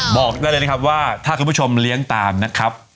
บอกได้เลยนะครับว่าถ้าคุณผู้ชมเลี้ยงตามนะครับ